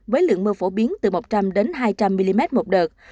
với lượng mưa phổ biến từ một trăm linh hai trăm linh mm một đợt